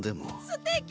すてき！